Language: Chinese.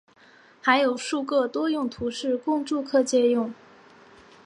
还有数个多用途室供住客借用。